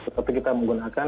tapi kita menggunakan